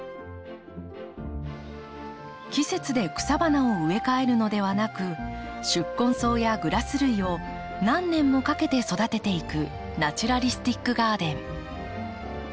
季節で草花を植え替えるのではなく宿根草やグラス類を何年もかけて育てていくナチュラリスティック・ガーデン。